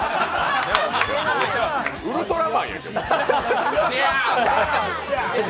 ウルトラマンや。